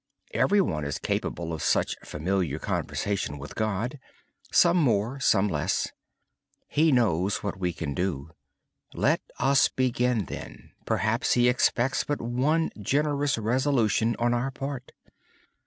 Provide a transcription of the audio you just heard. Every one is capable of such familiar conversation with God, some more, some less. He knows what we can do. Let us begin then. Perhaps He expects but one generous resolution on our part.